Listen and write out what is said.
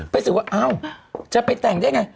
ไปสืบว่าจะไปแต่งได้ยังไง